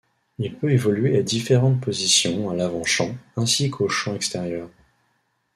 Il peut évoluer à différentes positions à l'avant-champ ainsi qu'au champ extérieur.